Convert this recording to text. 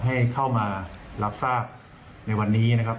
ให้เข้ามารับทราบในวันนี้นะครับ